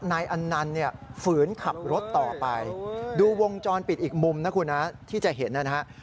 อันนั้นเนี่ยฝืนขับรถต่อไปดูวงจรปิดอีกมุมนะคุณนะที่จะเห็นนะฮะ